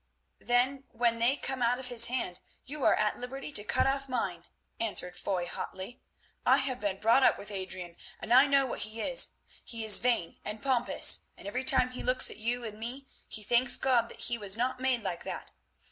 "Then when they come out of his hand, you are at liberty to cut off mine," answered Foy hotly. "I have been brought up with Adrian, and I know what he is; he is vain and pompous, and every time he looks at you and me he thanks God that he was not made like that.